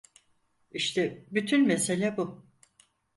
İşte bütün mesele bu.